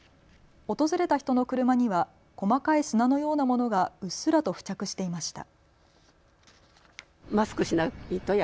訪れた人の車には細かい砂のようなものがうっすらと付着していました。